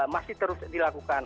masih terus dilakukan